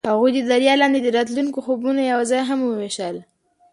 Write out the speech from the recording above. هغوی د دریا لاندې د راتلونکي خوبونه یوځای هم وویشل.